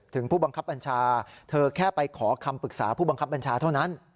ผู้บังคับบัญชาเธอแค่ไปขอคำปรึกษาผู้บังคับบัญชาเท่านั้น